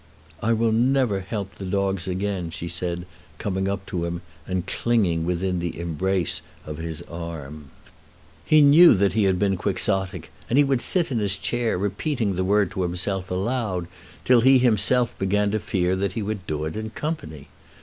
"I will never help the dogs again," she said, coming up to him and clinging within the embrace of his arm. He knew that he had been Quixotic, and he would sit in his chair repeating the word to himself aloud, till he himself began to fear that he would do it in company.